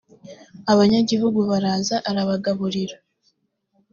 abanyagihugu baraza arabagaburira